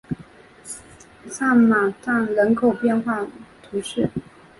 萨马藏人口变化图示